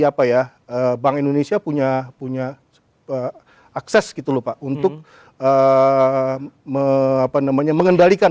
apa ya bank indonesia punya punya sebab akses gitu lupa untuk eh me apa namanya mengendalikan